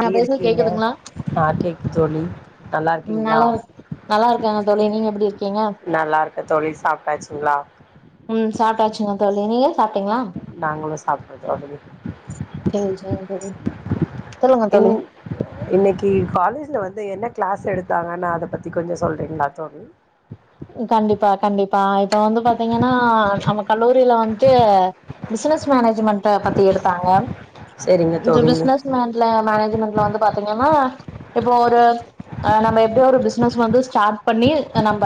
நா பேசுறது தீர்க்கீங்க கேக்குதுங்களா நாட்டை தொழி நல்லா நல்லா இருக்காங்க தோழி நீங்க எப்படி இருக்கீங்க நல்லா இருக்க தோழி சாப்ட்டாச்சுங்களா ம் சாப்ட்டாச்சுங்க தோழி நீங்க சாப் நாங்களு சாப்டோ தோழி சேரி சேரிங்க தோழி சொல்லுங்க இன் தோழி இன்னைக்கு காலேஜ்ல வந்து என்ன கிளாஸ் எடுத்தாங்கன்னா அத பத்தி கொஞ்ச சொல்றீங்களா தோழி கண்டிப்பா கண்டிப்பா இப்ப வந்து பாத்தீங்கன்னா நம்ம கல்லூரியில வந்ட்டு பிசினஸ் மேனேஜ்மெண்ட பத்தி எடுத்தாங்க செரிங்க இந்த தோழி பிசினஸ்மென்ல மேனேஜ்மென்ட்ல வந்து பா த்தீங்கன்னா இப்போ ஒரு ஆ நம்ம எப்டி ஒரு பிசினஸ் வந்து ஸ்டார்ட் பண்ணி நம்ப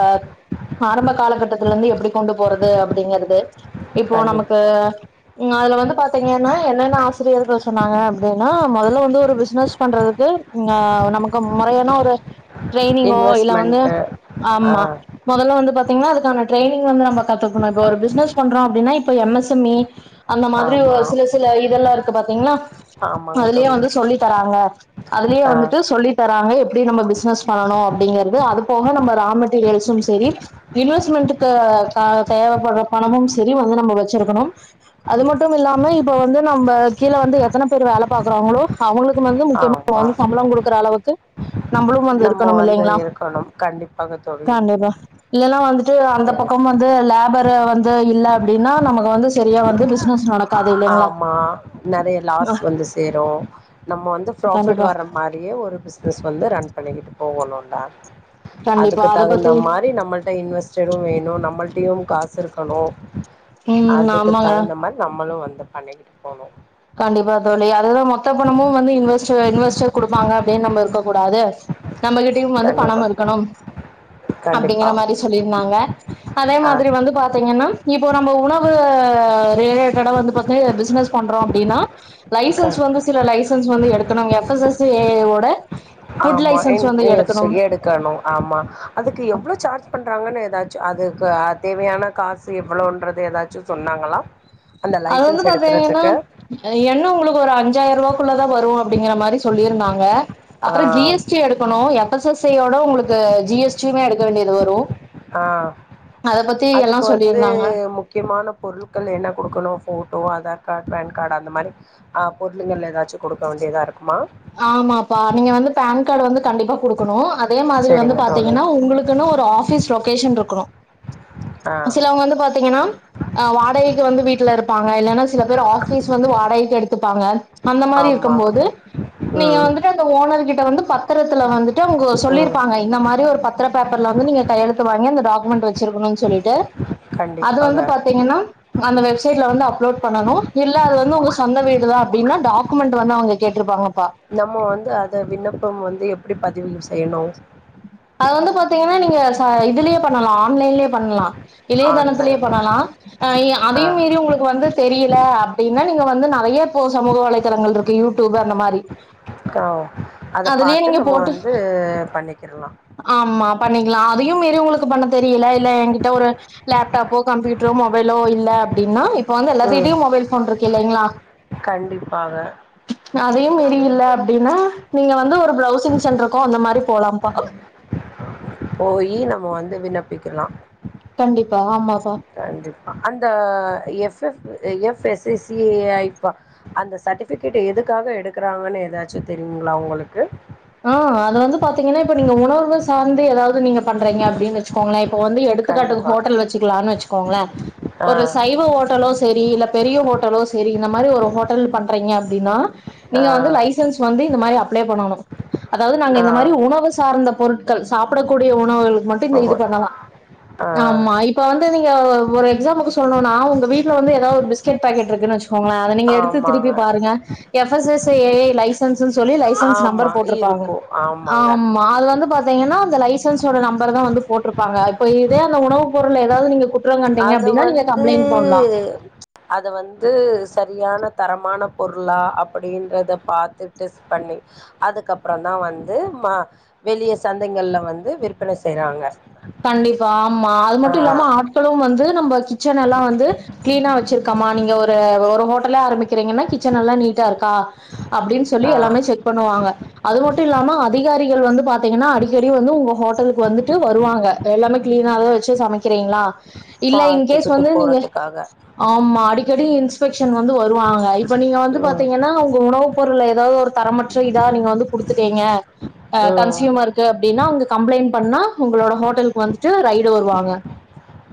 ஆரம்ப காலகட்டத்தல இருந்து எப்படி கொண்டு போறது அப்படிங்கறது இப்போ கண்டிப்பா நமக்கு ம் அதுல வந்து பாத்தீங்கன்னா என்னென்ன ஆசிரியர்கள் சொன்னாங்க அப்டின்னா முதல்ல வந்து ஒரு பிசினஸ் பண்றதுக்கு அ நமக்கு மொறையான ஒரு ட்ரெயினிங்கோ இல்ல வந்து இன்வெஸ்ட்மெண்ட்டு ஆ ஆமா வந்து பாத்திங்கன்னா அதுக்கான ட்ரைனிங் வந்து நம்ப கத்துக்கனொ இப்ப ஒரு பிஸ்னஸ் பண்றோ அப்டின்னா இப்ப எம் எஸ் எம் இ அந்த மாதிரி ஒ ஆமா சில சில இதெல்லா இருக்கு பாத்தீங்கல்லா ஆமாங்க அதுலயே தோழி வந்து சொல்லி தராங்க அதுலயே ஆ வந்துடு சொல்லி தராங்க எப்டி நம்ம பிஸ்னஸ் பண்ணணு அப்டிங்கறது அதுக்கு போக நம்ப ரா மெட்டீரியல்ஸும் சரி இன்வெஸ்மெண்டுக்கு தேவபடுற பணமும் சரி வந்து நம்ப வச்சிருக்கணும் அது மட்டும் இல்லாம இப்ப வந்து நம்ப கீழ வந்து எத்தன பேர் வேல பாக்குறாங்களோ அவங்களுக் வந்து முக்கியமா ஆமா வந்து சம்பளம் குடுக்குற அளவுக்கு [inaudible] நம்ம இருக்கணும் வந்து இல்லைங்களா இருக்கணும் கண்டிப்பாக தோழி எல்லாம் வந்துட்டு அந்த பக்கம் வந்து லேப் வர வந்து இல்ல அப்டின்னா நமக்கு வந்து சரியா வந்து பிசினஸ் நட ஆமா நிறைய லாஸ் அஹ் வந்து சேரும் நம்ம வந்து ப்ராஃபிட் கண்டிப்பா வர்ற மாதிரியே ஒரு பிஸ் பிஸ் வந்து ரன் பண்ணிக்கிட்டு போகணும் ஆ கண்டிப்பா அதுக்கு அத தகுந்த பத்தி மாரி நம்மள்ட இன்வெஸ்டரும் வேணும் நம்மள் ட்டியும் காசு இருக்கணும் உம் அதுக்கு ஆமாங்க தகுந்த மாரி நம்மளும் வந் இத பண்ணிக்கிட்டு போகணும் கண்டிப்பா தோழி அதுதான் மொத்த பணமும் வந்து இன்வெஸ்ட இன்வெஸ்டர் குடுப்பாங்க அப்டின்னு நம்ம இருக்க கூடாது நம்மகிட்டயும் வந்து கண்டிப்பா பணம் இருக்கணும் கண்டிப்பா. அப்டிங்கற மாரி சொல்லிருந்தாங்க அதே ஆ மாதிரி வந்து பாத்தீங்கன்னா இப்போ நம்ம உணவு ரிலேட்டடா வந்து து பிசினஸ் பண்றோம் அப்டினா க லைசன்ஸ் வந்து சில லைசன்ஸ் வந்து எடுக்கணும் எஸ் எஸ் சி ஏ வ ஆமா எங் எஸ் எடுக்கணும் ஆமா அதுக்கு எவ்ளோ சார்ஜ் பண்றாங்கன்னு ஏதாச் ச்சு அதுக்கு தேவையான காசு எவ்வளோன்றது ஏதாச்சும் சொன்னாங்களா அந்த அது வந்து லைசன்ஸ் பாத்தீங்கன்னா எடுக்கறதுக்கு? எண்ண உங்களுக்கு ஒரு அஞ்சாயிரம் ரூபாக்குள்ளதான் வரும் அப்படிங்கற மாரி சொல்லியிருந்தாங்க ஆ அப்புறம் ஜி எஸ் டி எடுக்கணும் எ எஸ் எஸ் ஐ யோட உங்களுக்கு ஜி எஸ் டி யுமே எடுக்க வேண்டியது வரும் ஆஹ் அதுக்கு வந்து சொல்லியிருந்தாங்க முக்கியமான பொருட்கள் என்ன கொடுக்கணும் photo Aadhaar card PAN card அந்த மாதிரி ஆஹ் பொருளுங்க ஏதாச் ச்சு கொடுக்க வேண்டியதா இருக்குமா ஆமாப்பா நீங்க வந்து பான் கார்டு வந்து கண்டிப்பா கொடுக்கணும் அ அதே மாதிரி வந்து சரிங்க தோழி பாத்தீங்கன்னா உங்களுக்குன்னு ஒரு ஆபிஸ் லொகேஷன் இருக்கணும் ஆ சிலவங்க வந்து பாத்தீங்கன்னா ஹ் வாடகைக்கு வந்து வீட்டுல இருப்பாங்க இல்லைன்னா சில பேர் ஆபீஸ் வந்து வாடகைக்கு எடுத்து துப்பாங்க அந்த மாரி ஆமா இருக்கம் போது நீங்க ம் வந்துட்டு அந்த ஓனர் கிட்ட வ ந்து பத்தரத்துல வந்து ட்டு உங்க ம் சொல்லிருப்பாங்க இந்த மாரி ஒரு பத்தர பேப் பர்ல வந்து நீங்க கையெழுத்து வாங்கி அந்த டாக்குமண்ட் வெச்சிருக்குனு சொல்லிட் டு அது வந்து கண்டிப்பாக பாத்திங்கனா அந்த வெப்சைட்ல வந்து அப்லோட் பண்ணனு இல்ல அது வந்து உங்க சொந்த வீடுதா அப்டின்னா டாக்குமெண்ட் வந்து அவங்க கேட்ருப்பாங்கப்பா நம்ம வந்து அத விண்ணப்பம் வந்து எப்படி பதிவு செய்யணு அது வந்து பாத்திங்கனா நீங்க ச இதுலயே பண்ணலா ஆன்லைன்லயே பண்ணலா இளையதளத்திலயே ஆன்லைன் பண்ணலா ஆ அதையு மீறி உங்களுக்கு வந்து தெரி ல அப்டினா நீங்க வந்து நெறைய இப்போ சமூக வலைதளங்கள் இருக்கு யூ டூபு அந்த மாரி ஓ அத அதுலயே பாத்து நீங்க நம்ம போட்டு வந்து பண்ணிக்கிரலா பண்ணிக்கிலா அதையு மீறி உங்களுக்கு பண்ண தெரியல இல்ல எங்கிட்ட ஒரு லேப்டாப்போ கம்ப்யூட்ரோ மொபைலோ இல்ல அப்டின்னா இப்ப வந்து ம் எல்லாத்துகிட்யு மொபைல் ஃபோன் இருக்கு இல்லைங்ளா கண்டிப்பாக அதையு மீறி இல்ல அப்டின்னா இப்ப வந்து ஒரு ப்ரௌசிங் சென்ட்ருக்கோ அந்த மாரி போலாம்ப்பா போயி நம்ம வந்து விண்ணப்பிக்கலா கண்டிப்பா ஆமாப்பா கண்டிப்பா அந்த F F S S C I ப்ப அந்த சர்ட்டிஃபிகேட் எதுக்காக எடுக்குறாங்கனு ஏதாச்சு தெரியுங்ளா உங்களுக்கு ஆ அது வந்து பாத்தீங்கன்னா, இப்ப நீங்க உணவு சார்ந்து எதாவுது நீங்க பண்றீங்க அப்டின் வெச்சுக்கோங்கெள இப்போ வந்து எடுத்துக்காட்டுக்கு கண்டிப்பா ஹோட்டல் வெச்சுக்கலான்னு வெச்சுக்கோங்கெள ஆ ஒரு சைவ ஹோட்டலோ சேரி இல்ல பெரிய ஹோட் டலோ செரி இந்த மாரி ஒரு ஹோட்டல் பண்றிங்க அப்டினா நீங்க வந்து ஆ லைசன்ஸ் வந்து இந்த மாரி அப்ளே பண்ணணு அதாவது நாங்க இந்த மாரி ஆ உணவு சார்ந்த பொருட் கள் சாப்படக்கூடிய உணவுகள் மட் டு இந்த இது ஆமா பண்ணலா ஆ ஆமா இப்ப து நீங்க ஒரு எக்ஸாமுக்கு சொல்னுனா உங்க வீட்ல வந்து ஏதாவது பிஸ்கட் பேக்கெட் இருக்குன்னு வெச் சுக்கோங்ளே அத நீங்க எடுத்து ஆமாங்க திருப்பி பாருங்க F S S A I licence து சொல்லி லைசன்ஸ் ஆமா நெம்பர் போட்ருக் இருக்கு ஆமாங்க ஆமா அது வந்து பாத்திங்கன் னா அந்த லைசன்ஸ் சோட நெம்பரதா வந்து போட்ருப்பாங்க இப்ப இதே அந்த உணவு பொருள்ல ஏதாவது நீங்க குற்றம் கண்டீங்க அது அப்டின்னா நீங்க வந்து கம்ப்ளைண்ட் பண்லாம். ப்ச் அத வந்து சரியான தரமான பொருளா அப்பிடின்றத பாத்துட்டு டெஸ் பண்ணி அதுக்கப்பறந்தா வந்து வெளிய சந்தைங்கள்ல வந்து விற்பனை செய்றாங்க கண்டிப்பா ஆமா அது மட்டு ஆ இல்லாம ஆட்களு வந்து நம்ம கிச்சன எல்லா வந்து க்ளீனா வெச்சிர்கமா நீங்க ஒரு ல ஒரு ஹோட்டலா ஆரம்பிக் ரிங்கனா கிச்சனெல்ல நீட்டா இருக்கா அப்டின்னு சொல்லி ஆ எல்லாமே செக் பண்ணுவாங்க அது மட்டு இல்லாம அதிகாரிகள் வந்து பாத்திங்கனா அடிக்கடி வந்து உங்க ஹோட்டலுக்கு வந்துட்டு வருவாங்க லாமே க்ளீனாத வச்சு சமைக் க்றீங்ளா இல்ல இன்கேஸ் பார்த்துக்கிட்டு வந்து நீங்க போகிறதுக்காக ஆமா அடிக்கடி இன்ஸ்பெக்ஷன் வந்து வருவாங்க இப்ப நீங்க வந்து ம் பாத்திங்கனா உங்க உணவு பொருள ஏதாதொரு தரமற்ற இதா நீங்க வந்து குடுத்து தீங்க அஹ் ம் கன்சியூமருக்கு அப்படின்னா அவங்க கம்ப்ளைண்ட் பண்ணா உங்களோட ஹோட்டல் வந்துட்டு ரைடு வருவாங்க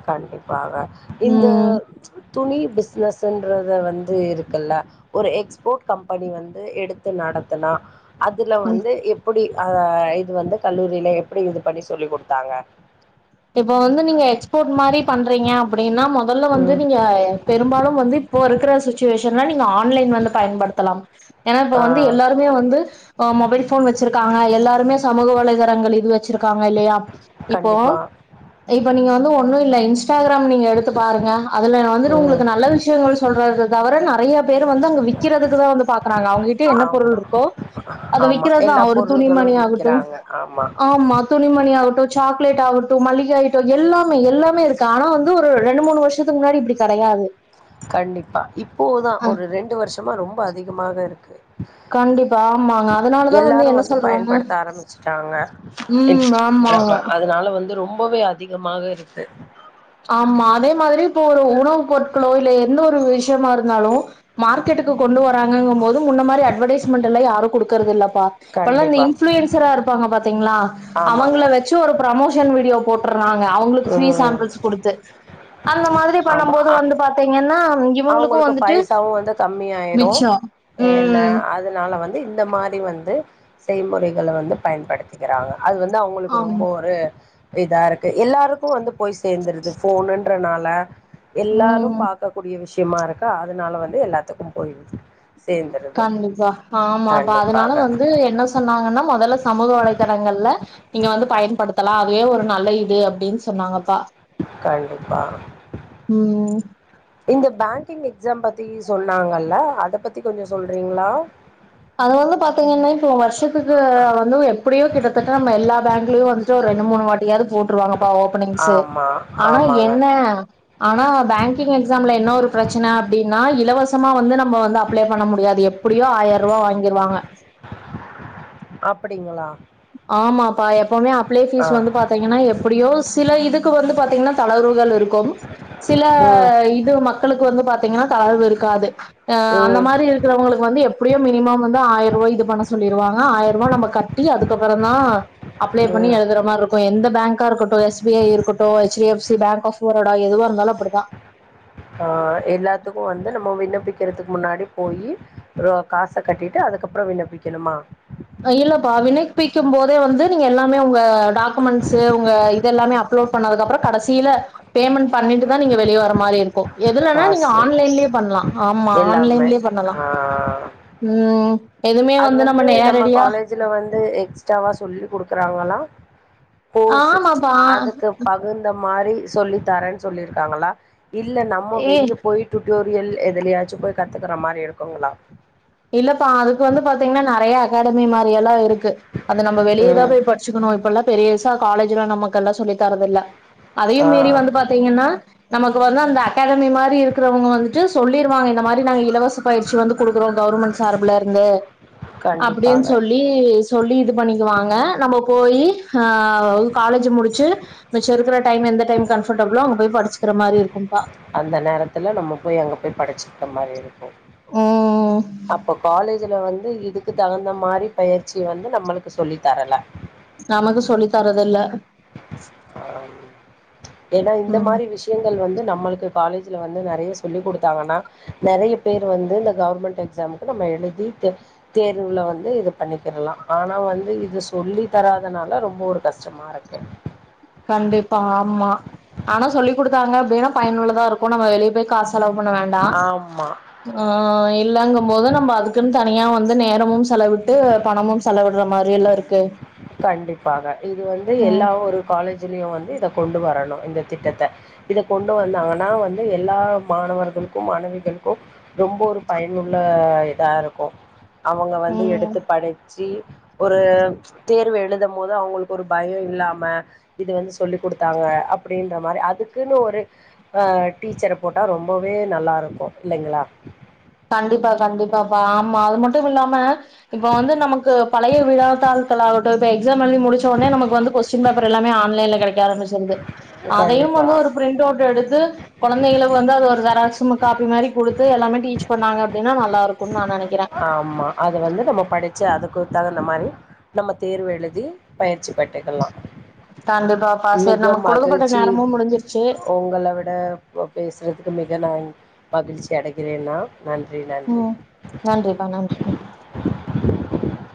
கண்டிப்பாக இந்த ம். துணி பிஸ்னஸ்ன்றத வந்து இருக்குல்ல ஒரு எக்ஸ்போர்ட் கம்பெனி வந்து எடுத்து நடத்துனா அதுல வந்து இப்பிடி ஆ இது வந்து கல்லூரில எப்டி இது பண்ணி சொல்லி குடுத்தாங்க இப்ப வந்து நீங்க எக்ஸ்போர்ட் மாரி பண்றிங்க அப்டினா மொதல்ல வந்து ம். நீங்க பெரும்பாலும் வந்து இப்போ இருக்ற சிச்சுவேஷன்ல நீங்க ஆன்லைன் வந்து பயன்படுத்தலாம் ஏனா இப்ப ஆ வந்து எல்லாருமே வந்து மொபைல் ஃபோன் வச்சிருக்காங்க எல்லாருமே சமூக வலைதளங்கள் இது வச்சிருக்காங்க இல்லையா இப்போ கண்டிப்பா. இப்ப நீங்க வந்து ஒண்ணு இல்ல இன்ஸ்டாகிராம் நீங்க எடுத்து பாருங்க அதுல வந்துட்டு ம். உங்களுக்கு நல்ல விஷயங்கள் சொல்றத தவர நறையா பேரு வந்து அங்க விக்கறதுக்குதா வந்து பாக்கறாங்க அவங்ககிட்ட என்ன பொருள் ஆமா, இருக்கோ அத ஆமா. விக்கறதுதா எல்லா ஒரு துணிமணி பொருள்களும் ஆகட்டு விக்கிறாங்க. ஆமா துணிமணி ஆகட்டு சாக் பிளேட் அவுட் து மல்லிகா இட் எல்லாமே எல்லாமே இருக்கு ஆனா வந்து ஒரு ரெண்டு மூணு வருஷத்துக்கு முன்னாடி இப்படி கடையாது கண்டிப்பா இப்போதா ஒரு ரெண்டு வருஷமா ரொம் ரொம்ப அதிகமாக இருக்கு கண்டிப்பா ஆமாங்க அதனாலதா வந்து எல்லாரு என்ன சொல்றாங்க பயன்படுத்த ஆரம்பிச்சுட்டாங்க ம் ஆமாங்க இன்ஸ்டாகிராம அதனால வந்து ரொம்பவே அதிகமாக இருக்கு ஆமா அதே மாதிரி இப்ப ஒரு உணவு பொருட்களோ இல்ல எந்த ஒரு விஷயமா இருந்தாலு மார்க்கெட்டுக்கு கொண்டு வராங்கங்கும்போது முன்ன மாரி அட்வடைஸ்மண்ட்லா யாரு குடுத் க்றதில்ல ப இப்ப எல்லா இந்த கண்டிப்பா இன்ப்ளூயன்சரா இருப்பாங்க பாத்திங்ளா ஆமாங்க அவங்கள வச்சு ஒரு ப்ரமோஷன் வீடியோ போட்டர்றாங்க அவங்ளுக்கு ஃப்ரீ ம் சாம் வச்சு குடுத்து அந்த மாதிரி பண்ணும் ஆமா போது அ வந்து பாத்திங்கன்னா அவங்களுக்கு பைசாவு வந்து கம்மி ஆயிரு மிச்சோ ஏனா ம் அதனால வந்து இந்த மாரி வந்து செய்முறைகளை வந்து பயன்படுத்திகிறாங்க அது வந்து அவங்களுக்கு ஆமா ரொம்போ ஒரு இதா இருக்கு எல்லாருக்கு வந்து போய் சேர்ந்துருது போனுன்றதுனால எல்லாரும் ம் பாக்க விஷயமா இருக்கா அதனால வந்து எல்லாத்துக்கும் போயிருது கண்டிப்பா ஆமாப்பா அதனால கண்டிப்பாக வந்து என்ன சொன்னாங்கன்னா முதல சமூக வலைதளங்கள்ல நீங்க வந்து பயன்படுத்தலா அதுவே ஒரு நல்ல இது அப்டின் சொன்னாங்கப்பா கண்டிப்பா ம் இந்த பேங்கிங் எக்ஸாம் பத்தி சொன்னாங்கல்ல அத பத்தி கொஞ்சோ சொல்றீங்ளா அதனாலதா பாத்தீங்கன்னா இப்போ வருஷத்துக்கு வந்து எப்படியோ கிட்டத்தட்ட நம்ம எல்லா பேங்க்லயு வந்துட்டு ஒரு ரெண்டு மூணு வா டியாது போட்டுருவாங்க பா ஓப்பனிங்ஸ் ஆமா ஆனா ஆமாங்க என்ன ஆனா பேங்கிங் எக்ஸாம்ல என்ன ஒரு பிரச்சன அப்படின்னா இலவச மா வந்து நம் ம வந்து அப்ளை பண்ண முடியாது எப்படியோ ஆயி கிருவாங்க அப்படிங்களா ஆமாப்பா எப்பவுமே அப்ளை ஆ பீஸ் வந்து பாத்தீங்கன்னா எப்படியோ சில இதுக்கு வந்து பாத்தீங்கன்னா தளர்வுகள் இருக்கும் சில ம் இது மக்களுக்கு வந்து பாத் ங்கனா தளர்வு இருக்காது அந்த ம் மாரி இருக்கிறவங்களுக்கு வந்து எப்படியோ மினிமம் வந்து ஆயிர ரூபா இது பண்ண சொல்லிருவாங்க ஆயிர ருவா நம்ம கட்டி அதுக் அதுக்கப்புறந்தா அப்ளை பண்ணி ம் எழுதுற மாரி இருக்கு எந்த பேங்க் கா இருக்கட்டு எஸ் பி ஐ இருக்கட்டு H D F C bank of Baroda எதுவா இருந்தாலு அப்படிதா ஆஹ் எல்லாத்துக்கு வந்து நம்ம விண்ணப்பி க்கிறதுக்கு முன்னாடி போய் ஒரு காச கட்டிட்டு அதுக்கப்புறோ விண்ணப்பிக்கணுமா இல்லப்பா வினைப்பிக்கும் போதே வந்து நீங்க எல்லாமே உங்க டாக்குமெண்ட்ஸு உங்க இது எல்லாமே அப்லோட் பண்ணதுக்கு அப்புறோ கடசீல பேமெண்ட் பண்ணிட்டுதா நீங்க வெளிய வர மாரி இருக்கு எதுலன்னா நீங்க காசு ஆன்லைன்லயே பண்லா ஆமா எல்லாமே ஆன்லைன்லயே பண்ணலா ஆ உம் அது வந்து நம்ம காலேஜ்ல வந்து எக்ஸ்ட்ராவா சொல்லி கொடுக் கறாங்களா போர்ஸ் ஆமாப்பா அதுக்கு பகுந்த மாரி சொல்லி தாரேன் சொல்லிருக்காங்களா இல்ல நம்ம ஏ வெளிய போய்ட்டு டுட்டோரியல் எதுலயாச்சு போய் கத்துக்குற மாரி இருக்குங்களா இல்லப்பா அதுக்கு வந்து பாத்தீங்கன்னா நெறைய அகாடமி மாரி எல்லா இருக்கு க்கு அது நம்ம வெளிய தா ம் போய் படிச்சுக்கணு இப்பெல்லா பெரியஸ் தா காலேஜ்ல நமக்கெல்லா சொல்லி தரதுல்ல அதையு ஆ மீறி வந்து பாத்தீங்கன்னா நமக்கு வந்து அந்த அகாடமி மாரி இருக்கிறவங்க வந்துட்டு சொல்லிருவாங்க இந்த மாரி நாங்க இலவச பயிற்சி வந்து குடுக்குறோ [unintelligible] சார்புல இருந்து அப்படின் கண்டிப்பாக சொல்லி சொல்லி இது பண்ணிக்குவாங்க நம்ம போய் ஆ காலேஜ் முடிச்சு மிச்சருக்க டைம் எந்த டைம் கம்ஃபர்டபிளோ அங்க போய் படிச்சுக்கிற மாரி இருக்கு அந்த நேரத்துல நம்ம போய் அங்க போய் படைச்சு அந்த மாரி இருக்கு ஓ அப்போ காலேஜ்ல வந் இதுக்கு தகுந்த மாரி பயிற்சி வந்து நம்மளுக்கு சொல்லி தரல தரதுல்ல ஆஹ்ம் ஏன்னா இந்த ம் மாரி விஷயங்கள் வந்து நம்மளுக்கு காலேஜ்ல வந்து நெறைய சொல்லி் கொடுத்தாங்கன்னா நெறைய பேர் வந்து இந்த கவர்மெண்ட் எக்ஸாமுக்கு நம்ம எழுதிதே தேர்வுல வந்து இது பண்ணிக்கிறலா ஆனா வந்து இது சொல்லி தராதனால ரொம்ப ஒரு கஷ்டமா இருக்கு கண்டிப்பா ஆமா ஆனா சொல்லி்குடுத்தாங்க அப்படின்னா பயனுள்ளதா இருக்கு நம்ம வெளியே போய் காசு செலவு பண்ண வேண்டா ஆமா ஆஹ் எ இல்லங்கு போது நம்ம அதுக்குன்னு தனியா வந்து நேரமு செலவிட்டு பணமும் செலவிடுற மாரி வேலருக்கு கண்டிப்பாக இது வந்து எல்லா ஒரு காலேஜ் திலியு வந்து இத கொண்டு வரணு இந்த திட்டத்த இத கொண்டு வந்தாங்கன்னா வந்து எல்லா மாணவர்களுக்கு மாணவிகளுக்கு ரொம்ப ஒரு பயனுள்ள இதா இருக்கு அவங்க வந்து ம் எடுத்து படுச்சு ஒரு தேர்வு எழுதும் போது அவங்களுக்கு ஒரு பயம் இல்லாம இது வந்து சொல்லி் கொடுத்தாங்க அப்படின்ற மாரி அதுக்குன்னு ஒரு ஆஹ் டீச்சர போட்டா ரொம்பவே நல்லா இருக்கும் இல்லைங்களா கண்டிப்பா கண்டிப்பாப்பா ஆமா அது மட்டும் இல்லாம இப்ப வந்து நமக்கு பழைய விழாத்தாள்கள் ஆகட்டும் இப்ப எக்ஸாம் எழுதி முடிச்ச ஒடனே நமக்கு வந்து கொஸ்ஸின் பேப்பர் எல்லாமே ஆன்லைன்ல கெடைக்க ஆரம்பிச்சிருது அதையு கண்டிப்பா வந்து ஒரு பிரிண்ட் அவுட் எடுத்து குழந்தைங்களுக்கு வந்து அது ஒரு ஜெராக்ஸ்ம் காப்பி மாரி கொடுத்து எல்லாமே டீச் ப்ப ணாங்க அப்டின்னா நல்ல இருக்கும்னு நா நெனேக் ஆமா அது வந்து நம்ம படிச் சா அதுக்கு தகுந்த மாரி நம்ம தேர்வு எழுதி பயிற்சி கண்டிப்பாப்பா சரி மிக நமக்கு கொடுக்கப்பட்ட மகிழ்ச்சி நேரமும் முடிஞ்சிருச்சு உங்கள விட பேசுறதுக்கு மிக நன் மகிழ்ச்சி கெடகிரேனா நன்றி நன்றி ம் நன்றிப்பா நன்றி நன்றி [inaudible]